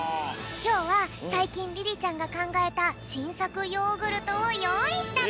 きょうはさいきんリリちゃんがかんがえたしんさくヨーグルトをよういしたぴょん。